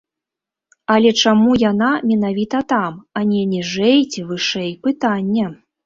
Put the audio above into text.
Але чаму яна менавіта там, а не ніжэй ці вышэй, пытанне.